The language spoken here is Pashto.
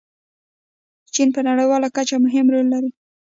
چین په نړیواله اقتصاد کې مهم رول لري.